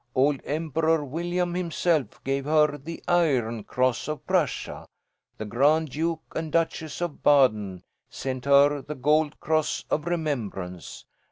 Old Emperor William himself gave her the Iron Cross of Prussia. The Grand Duke and Duchess of Baden sent her the Gold Cross of Remembrance.